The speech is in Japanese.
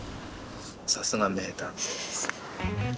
さすが名探偵です。